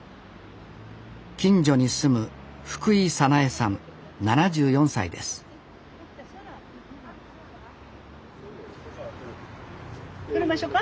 近所に住む撮りましょか？